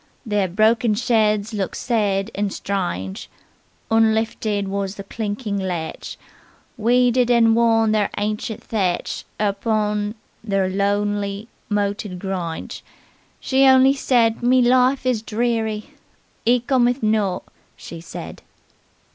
Ther broken sheds looked sed and stringe; Unlifted was the clinking latch; Weeded and worn their ancient thatch Er pon ther lownely moated gringe, She only said 'Me life is dreary, 'E cometh not,' she said."